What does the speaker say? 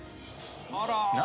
何？